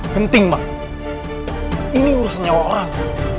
penting mah ini urus nyawa orang